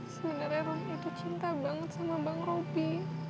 sebenernya rom itu cinta banget sama bang robi